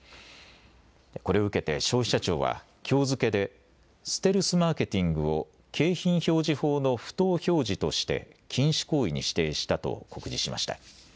これを受けて消費者庁はきょう付けでステルスマーケティングを景品表示法の不当表示として禁止行為に指定したと告示しました。